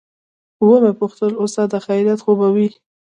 ومې پوښتل استاده خيريت خو به وي.